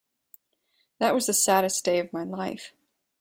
That was the saddest day of my life.